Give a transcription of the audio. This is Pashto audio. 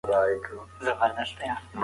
ماسوم په مینه او ډاډ کې ښه وده کوي.